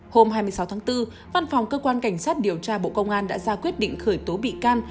hôm hai mươi sáu tháng bốn văn phòng cơ quan cảnh sát điều tra bộ công an đã ra quyết định khởi tố bị can